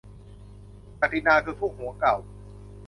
ศักดินาคือพวกหัวเก่า ?